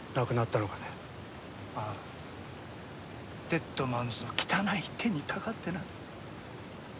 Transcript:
デッドマンズの汚い手にかかってな。